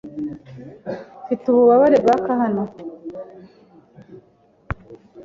Mfite ububabare bwaka hano.